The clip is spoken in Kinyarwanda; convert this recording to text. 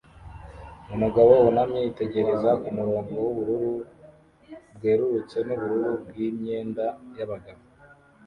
Umugabo wunamye yitegereza kumurongo wubururu bwerurutse nubururu bwimyenda yabagabo